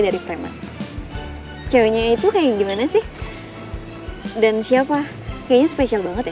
itu sudahkun kalian sama dia yaudah father father kita sampai berulekan dengan kekuasaan kami doang involved